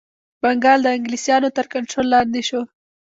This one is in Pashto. بنګال د انګلیسیانو تر کنټرول لاندي شو.